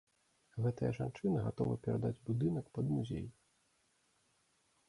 Гэтая жанчына гатова перадаць будынак пад музей.